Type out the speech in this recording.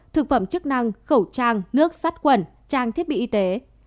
thực phẩm chức năng khẩu trang nước sắt quẩn trang thiết bị y tế